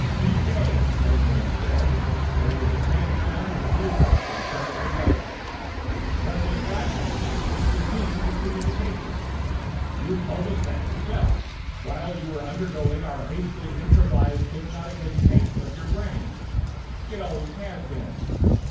"Touché," an older man said, and there was a faint sound of amusement from some of the others. "But this psi factor is the means of communication! You told us that yourself, while you were undergoing our hastily improvised hypnotic education of your brain. It always has been.